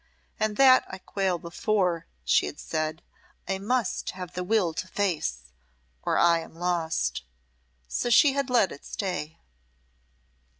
"And that I quail before," she had said, "I must have the will to face or I am lost." So she had let it stay.